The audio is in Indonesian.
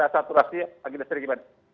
satu rasinya pagi dan sore gimana